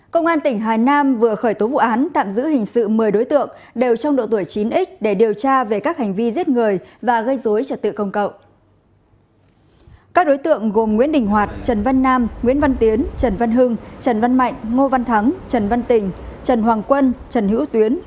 các bạn hãy đăng ký kênh để ủng hộ kênh của chúng mình nhé